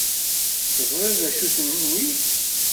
Teẓriḍ d acu-ten wi?